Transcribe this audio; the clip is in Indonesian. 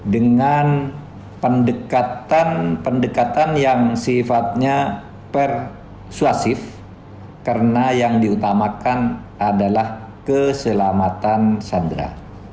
dengan pendekatan pendekatan yang sifatnya persuasif karena yang diutamakan adalah keselamatan sandera